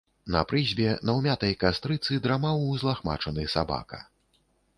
На прызбе, на ўмятай кастрыцы, драмаў узлахмачаны сабака.